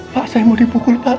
pak saya mau dipukul pak